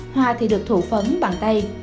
hoa thì được thủ phấn bằng tay